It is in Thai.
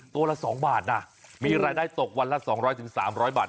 ละ๒บาทนะมีรายได้ตกวันละ๒๐๐๓๐๐บาท